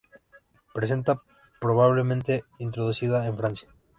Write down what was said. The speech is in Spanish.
Presente, probablemente introducida, en Francia.